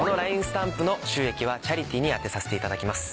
スタンプの収益はチャリティーに充てさせていただきます。